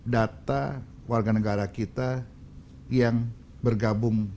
data warga negara kita yang bergabung